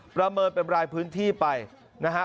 ประเมินเป็นรายพื้นที่ไปนะฮะ